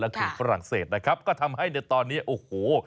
ก็คือฝรั่งเศสนะครับก็ทำให้ในตอนนี้โอ้โห